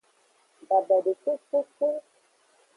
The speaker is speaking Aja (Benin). Babede kekeke.